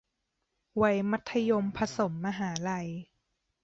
วัยมัธยมผสมมหาลัย